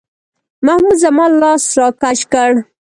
محمود زما لاس راکش کړ.